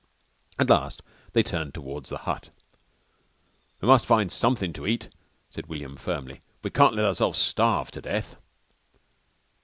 At last they turned towards the hut. "We must find somethin' to eat," said William firmly. "We can't let ourselves starve to death."